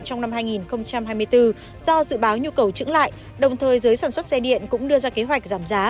trong năm hai nghìn hai mươi bốn do dự báo nhu cầu trứng lại đồng thời giới sản xuất xe điện cũng đưa ra kế hoạch giảm giá